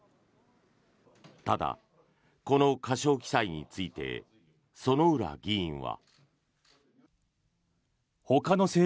ただ、この過少記載について薗浦議員は。